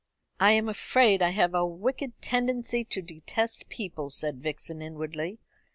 "I am afraid I have a wicked tendency to detest people," said Vixen inwardly.